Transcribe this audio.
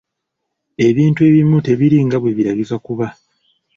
Ebintu ebimu tebiri nga bwe birabika kuba.